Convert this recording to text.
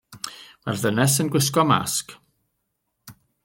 Mae'r ddynes yn gwisgo masg.